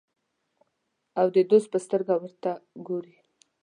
او د دوست په سترګه ورته ګوري.